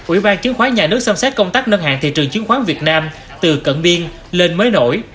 ủy ban chiến khoán nhà nước xâm xét công tác nâng hạn thị trường chiến khoán việt nam từ cận biên lên mới nổi